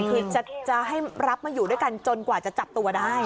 คือจะให้รับมาอยู่ด้วยกันจนกว่าจะจับตัวได้